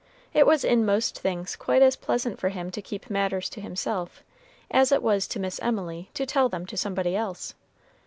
It was in most things quite as pleasant for him to keep matters to himself, as it was to Miss Emily to tell them to somebody else.